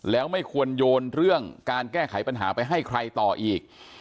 แล้วไม่ควรโยนเรื่องการแก้ไขปัญหาไปให้ใครต่ออีก